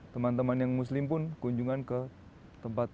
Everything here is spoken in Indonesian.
teman teman yang muslim pun kunjungan ke tempat teman teman muslim